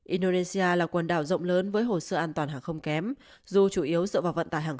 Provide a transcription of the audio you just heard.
indonesia là quần đảo rộng lớn với hồ sơ an toàn hàng không kém dù chủ yếu dựa vào vận tài hàng